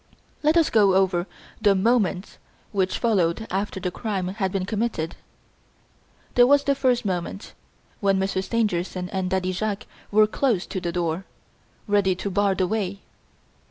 Let us go over the moments which followed after the crime had been committed. There was the first moment, when Monsieur Stangerson and Daddy Jacques were close to the door, ready to bar the way.